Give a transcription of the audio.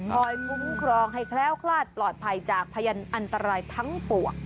คอยคุ้มครองให้แคล้วคลาดปลอดภัยจากพยานอันตรายทั้งปวก